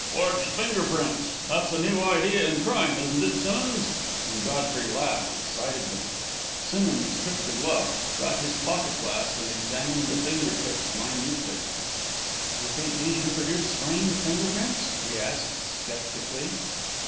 "Forged finger prints! That's a new idea in crime, isn't it, Simmonds?" and Godfrey laughed excitedly. Simmonds took the glove, got out his pocket glass, and examined the finger tips minutely. "You think these reproduce Swain's finger prints?" he asked, sceptically.